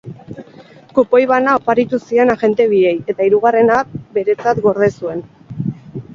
Kupoi bana oparitu zien agente biei eta hirugarrena beretzat gorde zuen.